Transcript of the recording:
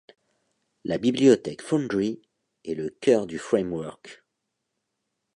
La bibliothèque Foundry est le cœur du framework.